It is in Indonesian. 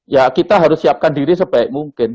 ya kita harus siapkan diri sebaik mungkin